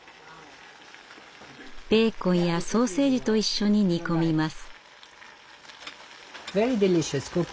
ベーコンやソーセージと一緒に煮込みます。